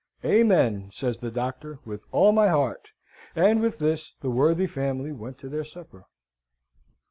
"Amen," says the Doctor; "with all my heart!" And with this the worthy family went to their supper.